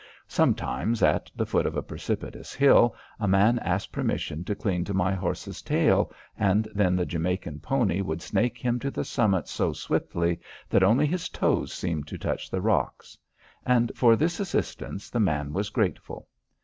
Sometimes, at the foot of a precipitous hill, a man asked permission to cling to my horse's tail, and then the Jamaica pony would snake him to the summit so swiftly that only his toes seemed to touch the rocks. And for this assistance the man was grateful.